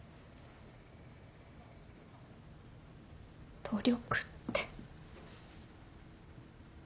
努力って。